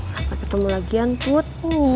sampai ketemu lagi ntut